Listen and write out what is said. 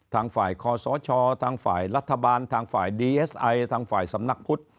ทางฝ่ายคอสชทางฝ่ายรัฐบาลทางฝ่ายดีเอสไอทางฝ่ายสำนักพุทธ